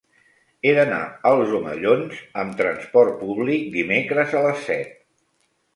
He d'anar als Omellons amb trasport públic dimecres a les set.